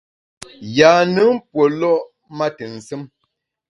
Yâ-nùn pue lo’ ma ntù nsùm.